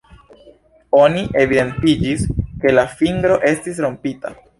Oni evidentiĝis ke la fingro estis rompita.